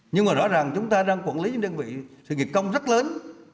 nhưng mà rõ ràng chúng ta đang quản lý những đơn vị sự nghiệp công rất lớn